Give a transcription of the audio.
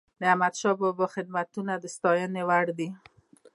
د احمدشاه بابا خدمتونه د ستايني وړ دي.